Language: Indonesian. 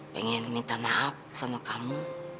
pengen minta maaf sama kamu